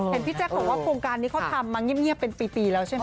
พี่แจ๊คบอกว่าโครงการนี้เขาทำมาเงียบเป็นปีแล้วใช่ไหม